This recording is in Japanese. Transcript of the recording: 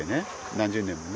何十年もね。